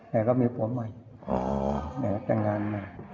แม่เขามีผัวใหม่แม่ก็แต่งงานมา